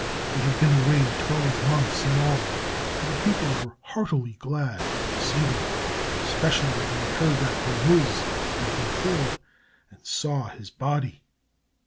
They had been away twelve months in all, and the people were heartily glad to see them, especially when they heard that Hormuz had been killed and saw his body.